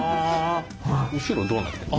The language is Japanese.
後ろどうなってんの？